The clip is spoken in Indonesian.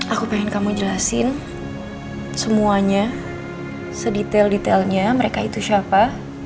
aku pengen kamu jelasin semuanya sedetail detailnya mereka itu siapa